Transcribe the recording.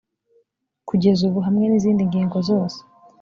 kugeza ubu hamwe n izindi ngingo zose